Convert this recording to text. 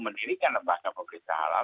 mendirikan lembaga pemeriksa halal